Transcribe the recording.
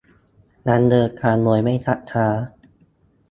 ดำเนินการโดยไม่ชักช้า